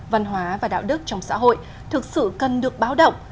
văn hóa và đạo đức trong xã hội thực sự cần được báo động